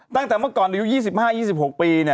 ตั้งแต่เมื่อก่อนอายุ๒๕๒๖ปี